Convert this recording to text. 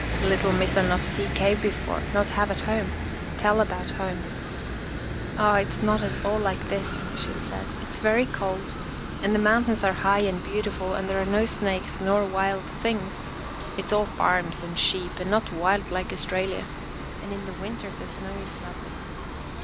" Lit tle Missa not see cave before, not have at home. Tell about home." " Oh, it's not at all like this," she said. " It's very cold, and the mountains are high and beau tiful and there are no snakes nor wild things. It's all farms and sheep and not wild like Aus tralia. And in the winter the snow is lovely."